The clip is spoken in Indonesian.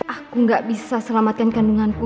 aku gak bisa selamatkan kandunganku